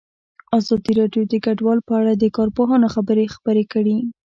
ازادي راډیو د کډوال په اړه د کارپوهانو خبرې خپرې کړي.